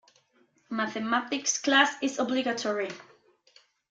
Mathematics class is obligatory.